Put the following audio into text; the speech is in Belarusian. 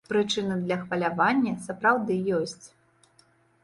Прычына для хвалявання, сапраўды, ёсць.